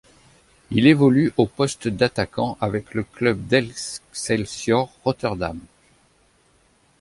Il évolue au poste d'attaquant avec le club de l'Excelsior Rotterdam.